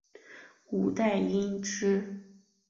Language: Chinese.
五代因之。